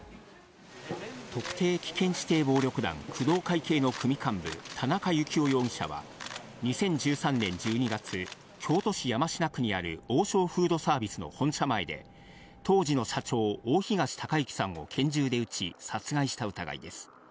特定危険指定暴力団工藤会系の組幹部、田中幸雄容疑者は、２０１３年１２月、京都市山科区にある王将フードサービスの本社前で、当時の社長、大東隆行さんを拳銃で撃ち、殺害した疑いです。